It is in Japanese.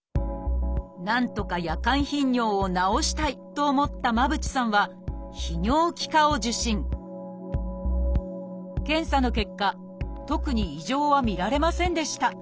なんとか夜間頻尿を治したいと思った間渕さんは検査の結果特に異常は見られませんでした。